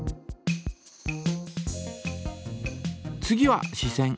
次はし線。